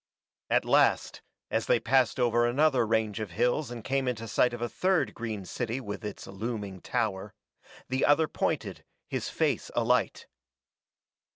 At last, as they passed over another range of hills and came into sight of a third green city with its looming tower, the other pointed, his face alight.